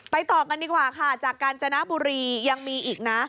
ต่อกันดีกว่าค่ะจากกาญจนบุรียังมีอีกนะ